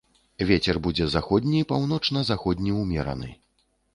Вецер будзе заходні, паўночна-заходні ўмераны.